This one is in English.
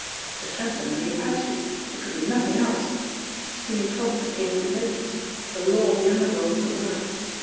The Phantom and the apaches ! It could be nothing else ! Steenie Klotz had gained admittance the law of the underworld was at >vork.